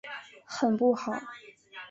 很不好！